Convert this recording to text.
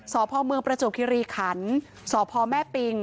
สอบพ่อเมืองประจบคิรีขันฯสอบพ่อแม่ปิงฯ